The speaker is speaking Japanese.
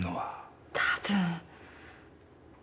多分。